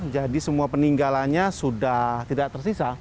jadi semua peninggalannya sudah tidak tersisa